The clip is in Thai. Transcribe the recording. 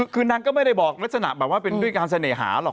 คือนางก็ไม่ได้บอกลักษณะแบบว่าเป็นด้วยการเสน่หาหรอก